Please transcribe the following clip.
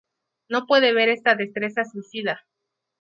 No pude ver esta destreza suicida.